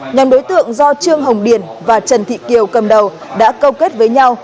nhóm đối tượng do trương hồng điền và trần thị kiều cầm đầu đã câu kết với nhau